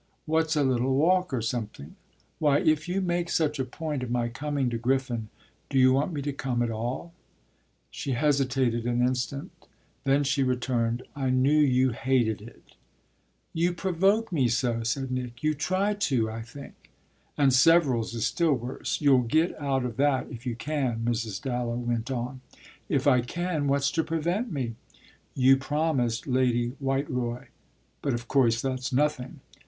"What's a little walk or something? Why, if you make such a point of my coming to Griffin, do you want me to come at all?" She hesitated an instant; then she returned; "I knew you hated it!" "You provoke me so," said Nick. "You try to, I think." "And Severals is still worse. You'll get out of that if you can," Mrs. Dallow went on. "If I can? What's to prevent me?" "You promised Lady Whiteroy. But of course that's nothing."